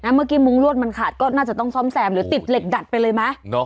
เมื่อกี้มุ้งลวดมันขาดก็น่าจะต้องซ่อมแซมหรือติดเหล็กดัดไปเลยไหม